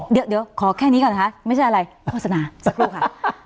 เดี๋ยวขอแค่นี้ก่อนนะคะไม่ใช่อะไรโฆษณาสักครู่ค่ะ